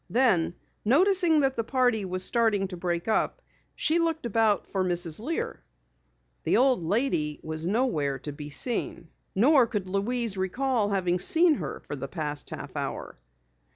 Then, noticing that the party was starting to break up, she looked about for Mrs. Lear. The old lady was nowhere to be seen. Nor could Louise recall having seen her for the past half hour.